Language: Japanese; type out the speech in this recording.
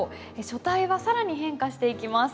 書体は更に変化していきます。